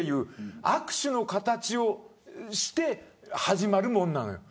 握手の形をして始まるもんなのよ。